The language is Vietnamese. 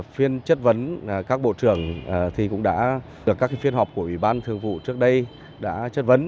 phiên chất vấn các bộ trưởng cũng đã được các phiên họp của ủy ban thường vụ trước đây đã chất vấn